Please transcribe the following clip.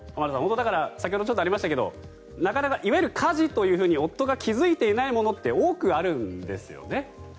先ほどちょっとありましたがなかなか、いわゆる家事と夫が気付いていないものって多くあるんですよね。